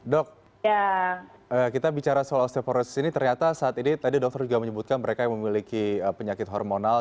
dok kita bicara soal osteoporosis ini ternyata saat ini tadi dokter juga menyebutkan mereka yang memiliki penyakit hormonal